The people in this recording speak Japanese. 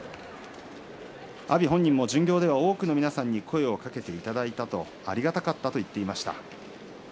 阿炎本人も巡業では多くの皆さんに声をかけていただいたありがたかったと言っていました。